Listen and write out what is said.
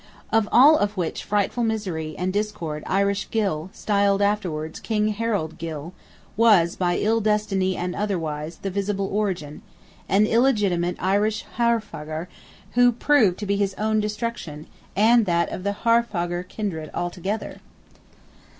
Of all which frightful misery and discord Irish Gylle, styled afterwards King Harald Gylle, was, by ill destiny and otherwise, the visible origin: an illegitimate Irish Haarfagr who proved to be his own destruction, and that of the Haarfagr kindred altogether!